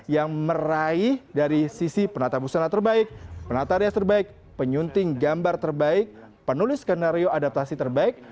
yang meraih dari sisi penata busana terbaik penata rias terbaik penyunting gambar terbaik penulis skenario adaptasi terbaik